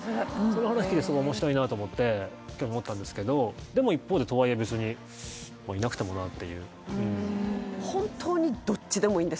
その話聞いてすごい面白いなと思って興味持ったんですけどでも一方でとはいえ別にいなくてもなっていうそうです